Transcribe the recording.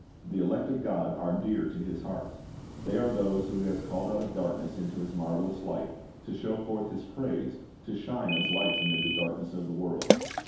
The elect of God are dear to His heart. They are those whom He has called out of darkness into His 1 66 Christ^s Object Lessons marvelous light, to show forth His praise, to shine as lights amid the darkness of the world.